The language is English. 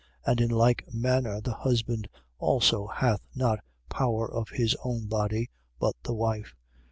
And in like manner the husband also hath not power of his own body: but the wife.